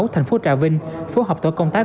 tp trà vinh phố học tổ công tác